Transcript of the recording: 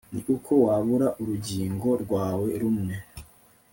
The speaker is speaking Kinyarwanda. ni uko wabura urugingo rwawe rumwe